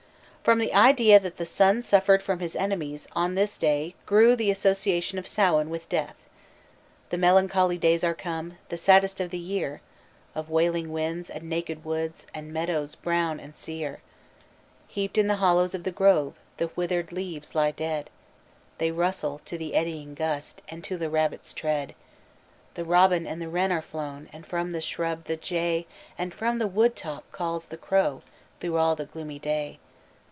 From the idea that the sun suffered from his enemies on this day grew the association of Samhain with death. "The melancholy days are come, the saddest of the year, Of wailing winds, and naked woods, and meadows brown and sere. Heaped in the hollows of the grove, the wither'd leaves lie dead; They rustle to the eddying gust, and to the rabbit's tread. The robin and the wren are flown, and from the shrub the jay And from the wood top calls the crow, through all the gloomy day.